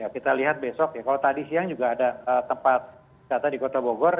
kita lihat besok ya kalau tadi siang juga ada tempat wisata di kota bogor